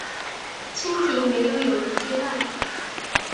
蜻蜓没有蛹的阶段。